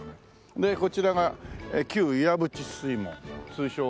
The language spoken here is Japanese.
でこちらが旧岩淵水門通称赤水門。